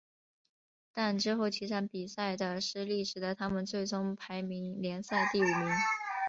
但之后几场比赛的失利使得他们最终排名联赛第五名。